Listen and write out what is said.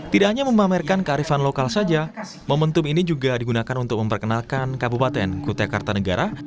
tidak hanya memamerkan kearifan lokal saja momentum ini juga digunakan untuk memperkenalkan kabupaten kutai kartanegara